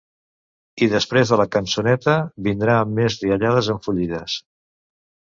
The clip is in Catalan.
I després de la cançoneta vindran més riallades enfollides.